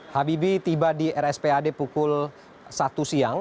habibie tiba di rspad pukul satu siang